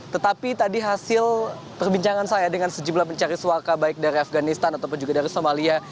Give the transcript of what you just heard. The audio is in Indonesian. tetapi tadi hasil perbincangan saya dengan sejumlah pencari suaka baik dari afganistan ataupun juga dari somalia